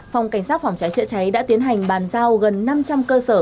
phòng cảnh sát phòng cháy chữa cháy đã tiến hành bàn giao gần năm trăm linh cơ sở